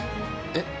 えっ？